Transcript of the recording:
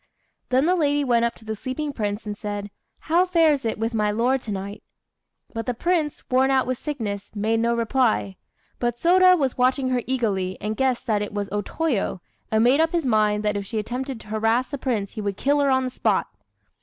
Then the lady went up to the sleeping prince and said, "How fares it with my lord to night?" But the Prince, worn out with sickness, made no reply. But Sôda was watching her eagerly, and guessed that it was O Toyo, and made up his mind that if she attempted to harass the Prince he would kill her on the spot.